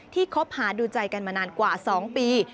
คบหาดูใจกันมานานกว่า๒ปี